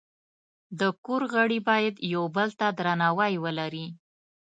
د کور غړي باید یو بل ته درناوی ولري.